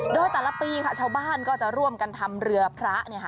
โดยแต่ละปีชาวบ้านก็จะร่วมกันทำเรือพระ